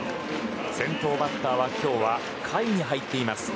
先頭バッターは今日は下位に入っています。